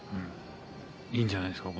いいんじゃないですか？